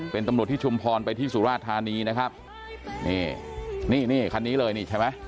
เป็นตำรวจที่ชุมพรไปที่สุราธานีนะครับนี่นี่คันนี้เลยนี่ใช่ไหม